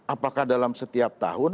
apakah dalam setiap tahun